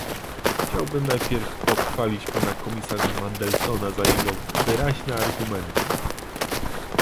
Chciałbym najpierw pochwalić pana komisarza Mandelsona za jego wyraźne argumenty